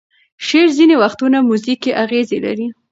شعر ځینې وختونه موزیکي اغیز لري.